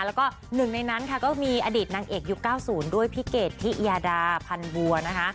แล้วก็หนึ่งในนั้นค่ะก็มีอดีตนางเอกยุค๙๐ด้วยพี่เกดทิยาดาพันบัวนะคะ